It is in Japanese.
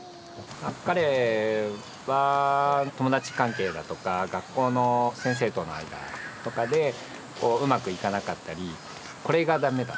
彼は友達関係だとか学校の先生との間とかでこううまくいかなかったり「これが駄目だ」